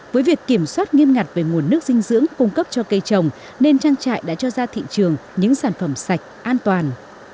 với việc kiểm soát nghiêm ngặt về nguồn nước dinh dưỡng cung cấp cho cây trồng nên trang trại đã cho ra thị trường những sản phẩm sạch an toàn